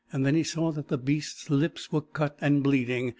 Then he saw that the beast's lips were cut and bleeding.